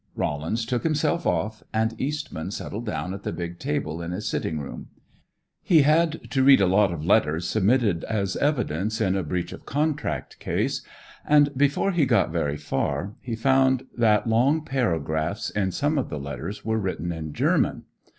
Rollins took himself off, and Eastman settled down at the big table in his sitting room. He had to read a lot of letters submitted as evidence in a breach of contract case, and before he got very far he found that long paragraphs in some of the letters were written in German.